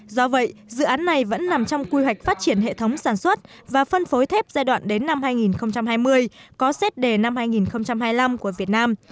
do vậy dự án này vẫn nằm trong quy hoạch phát triển hệ thống sản xuất và phân phối thép giai đoạn đến năm hai nghìn hai mươi có xét đề năm hai nghìn hai mươi năm của việt nam